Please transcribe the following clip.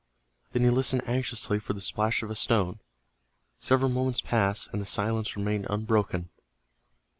Then he listened anxiously for the splash of a stone. Several moments passed, and the silence remained unbroken.